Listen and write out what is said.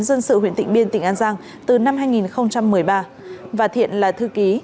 dân sự huyện tỉnh biên tỉnh an giang từ năm hai nghìn một mươi ba và thiện là thư ký